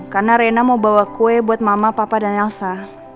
karena rena mau bawa kue buat mama papa dan elsa